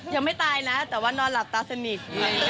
ยังไม่ตายนะแต่ว่านอนหลับตาสนิท